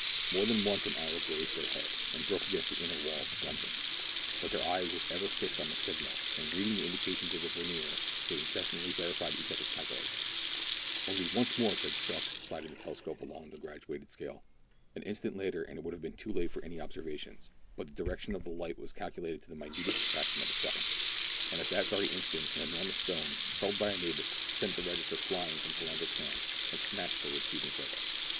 More than once an arrow grazed their head, and broke against the inner wall of the donjon. But their eye was ever fixed on the signal, and reading the indications of the vernier, they incessantly verified each other's calculations. " Only once more," said Strux, sliding the telescope along THREE ENGLISHMEN AND THREE RUSSIANS. 209 the graduated scale. An instant later, and it would have been too late for any observations, but the direction of the light was calculated to the minutest fraction of a second ; and at that very instant an enormous stone, hurled by a native, sent the register flying from Palander's hands, and smashed the repeating circle.